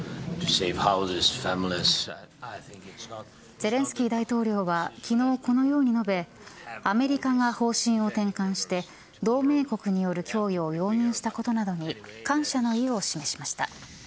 ゼレンスキー大統領は昨日、このように述べアメリカが方針を転換して同盟国による供与を容認したことなどに感謝の意を示しました。